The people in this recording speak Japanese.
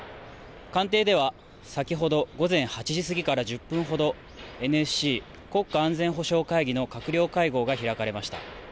官邸では先ほど午前８時過ぎから１０分ほど、ＮＳＣ・国家安全保障会議の閣僚会合が開かれました。